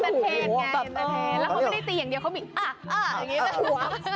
เห็นสัดเพลงแล้วก็ไม่ได้ตีอย่างเดียวเขามีอร์อร์อย่างงี้